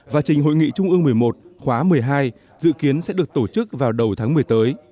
và trình hội nghị trung ương một mươi một khóa một mươi hai dự kiến sẽ được tổ chức vào đầu tháng một mươi tới